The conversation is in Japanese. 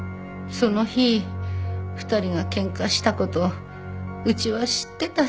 その日２人が喧嘩した事うちは知ってたし。